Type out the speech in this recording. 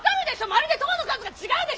まるで痘の数が違うでしょ！？